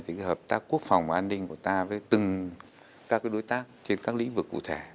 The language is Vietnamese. thì hợp tác quốc phòng và an ninh của ta với từng các đối tác trên các lĩnh vực cụ thể